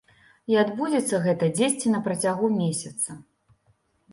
І адбудзецца гэта дзесьці на працягу месяца.